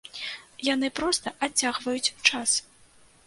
Яны проста адцягваюць час.